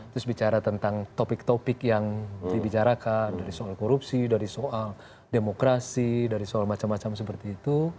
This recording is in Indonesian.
terus bicara tentang topik topik yang dibicarakan dari soal korupsi dari soal demokrasi dari soal macam macam seperti itu